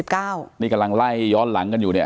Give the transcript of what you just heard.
นี่กำลังไล่ย้อนหลังกันอยู่เนี่ย